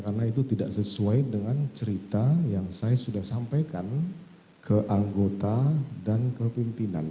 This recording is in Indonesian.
karena itu tidak sesuai dengan cerita yang saya sudah sampaikan ke anggota dan kepimpinan